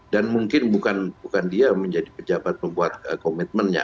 dan mungkin bukan dia yang menjadi pejabat membuat komitmen ya